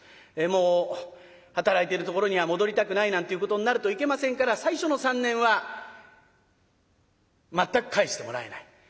もう働いてるところには戻りたくないなんていうことになるといけませんから最初の３年は全く帰してもらえない。